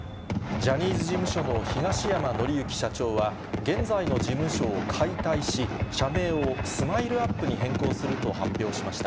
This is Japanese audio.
ジャニーズ事務所の東山紀之社長は、現在の事務所を解体し、社名をスマイルアップに変更すると発表しました。